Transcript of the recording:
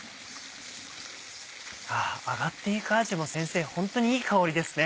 揚がっていくあじも先生ホントにいい香りですね。